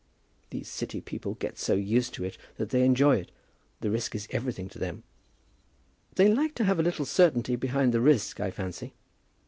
These City people get so used to it that they enjoy it. The risk is every thing to them." "They like to have a little certainty behind the risk, I fancy."